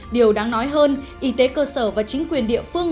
điều đáng nói hơn y tế cơ sở và chính quyền địa phương